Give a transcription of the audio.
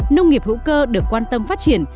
nông nghiệp hữu cơ được quan tâm phát triển